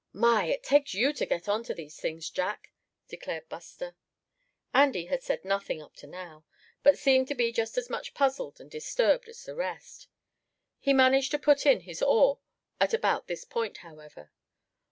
"My! it takes you to get on to these things, Jack!" declared Buster. Andy had said nothing up to now, but seemed to be just as much puzzled and disturbed as the rest. He managed to put in his oar at about this point, however.